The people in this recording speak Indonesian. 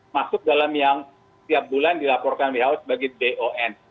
masuk dalam yang setiap bulan dilaporkan who sebagai don